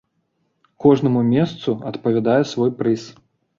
Кожнаму месцу адпавядае свой прыз.